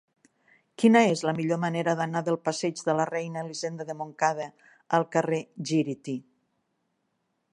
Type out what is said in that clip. Quina és la millor manera d'anar del passeig de la Reina Elisenda de Montcada al carrer Gíriti?